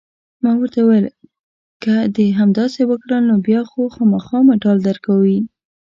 ما ورته وویل: که دې همداسې وکړل، نو بیا خو خامخا مډال درکوي.